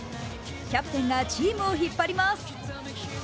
キャプテンがチームを引っ張ります。